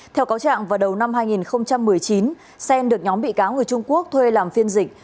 theo cáo trạng vào đầu năm hai nghìn một mươi chín sen được nhóm bị cáo người trung quốc thuê làm phiên dịch